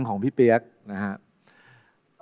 สวัสดีครับ